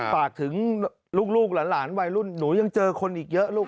ฝากถึงลูกหลานวัยรุ่นหนูยังเจอคนอีกเยอะลูก